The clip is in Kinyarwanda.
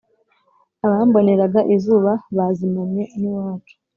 abamboneraga izuba bazimanye n’iwacu